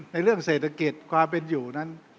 ในเรื่องเศรษฐกิจความเป็นอยู่นั้น